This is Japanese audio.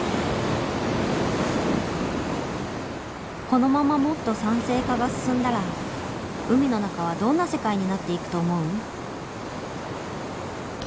このままもっと酸性化が進んだら海の中はどんな世界になっていくと思う？